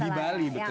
di bali betul